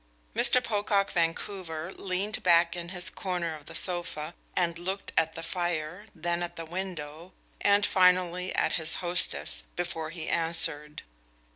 Mr. Pocock Vancouver leaned back in his corner of the sofa and looked at the fire, then at the window, and finally at his hostess, before he answered.